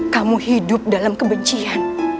kamu hidup dalam kebencian